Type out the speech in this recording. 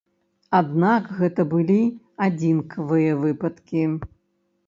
Аднак гэта былі адзінкавыя выпадкі.